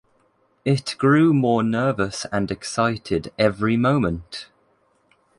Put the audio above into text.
It grew more nervous and excited every moment.